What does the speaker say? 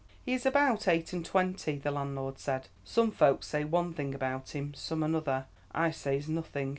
"He is about eight and twenty," the landlord said. "Some folks say one thing about him, some another; I says nothing.